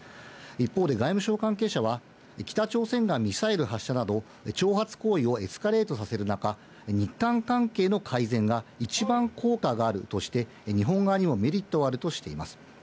一方で外務省関係者は、北朝鮮がミサイル発射など、挑発行為をエスカレートさせる中、日韓関係の改善が一番効果があるとして、日本側にもメリットはあるとしています。